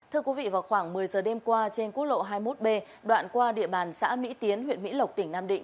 thưa quý vị vào khoảng một mươi giờ đêm qua trên quốc lộ hai mươi một b đoạn qua địa bàn xã mỹ tiến huyện mỹ lộc tỉnh nam định